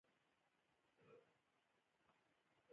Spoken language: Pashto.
يو هلک په راغی.